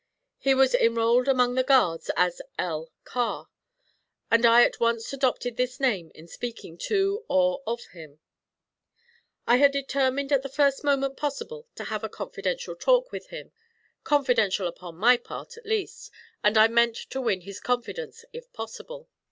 He was enrolled among the guards as L. Carr, and I at once adopted this name in speaking to or of him. I had determined at the first moment possible to have a confidential talk with him, confidential upon my part, at least, and I meant to win his confidence if possible.